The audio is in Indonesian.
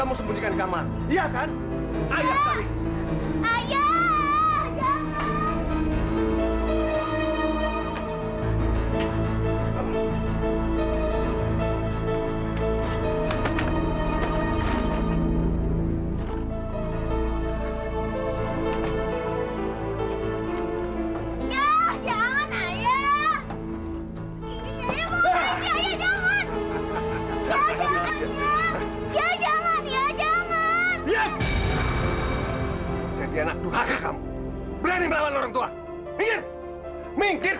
minggir kata bapak minggir